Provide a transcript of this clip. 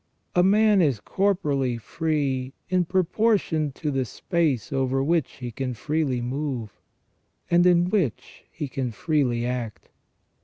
A man is corporally free in proportion to the space over which he can freely move, and in which he can freely act.